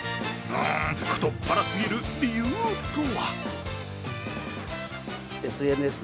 太っ腹すぎる理由とは？